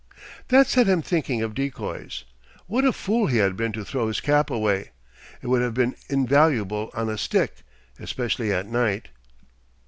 That set him thinking of decoys. What a fool he had been to throw his cap away. It would have been invaluable on a stick especially at night.